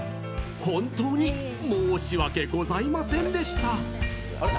本当に申し訳ございませんでした。